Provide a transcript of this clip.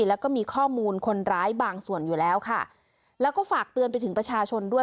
แล้วก็มีข้อมูลคนร้ายบางส่วนอยู่แล้วค่ะแล้วก็ฝากเตือนไปถึงประชาชนด้วย